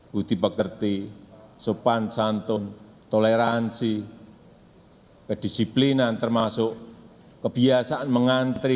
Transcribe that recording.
budi pekerti sopan santun toleransi kedisiplinan termasuk kebiasaan mengantri